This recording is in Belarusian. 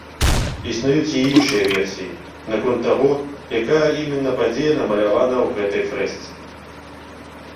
Існуюць і іншыя версіі, наконт таго, якая іменна падзея намалявана ў гэтай фрэсцы.